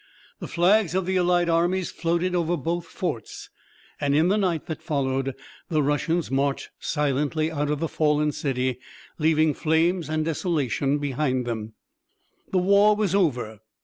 The flags of the allied armies floated over both forts, and in the night that followed the Russians marched silently out of the fallen city, leaving flames and desolation behind them. The war was over.